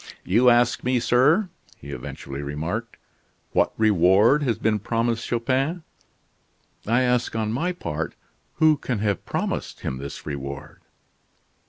"You ask me, sir," he eventually remarked, "what reward has been promised Chupin? I ask on my part who can have promised him this reward?"